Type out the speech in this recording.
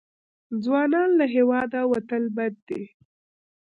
ځوانان له هېواده وتل بد دي.